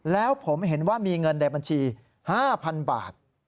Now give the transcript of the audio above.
แล้วผมเห็นว่ามีเงินในบัญชี๕๐๐๐บาท